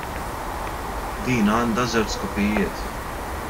Din għandha żewġ skopijiet.